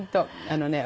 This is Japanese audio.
あのね